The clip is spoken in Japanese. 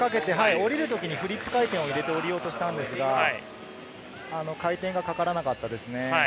降りるときにフリップ回転をかけて下りようとしたのですが、回転が、かからなかったですね。